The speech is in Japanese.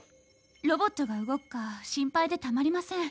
ロボットが動くか心配でたまりません。